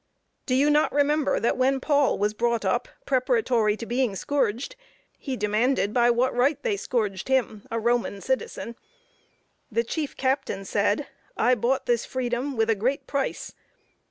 Do you not remember that when Paul was brought up, preparatory to being scourged, he demanded by what right they scourged him, a Roman citizen. The chief captain said, "I bought this freedom with a great price."